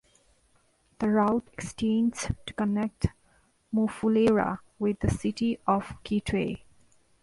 The route extends to connect Mufulira with the city of Kitwe.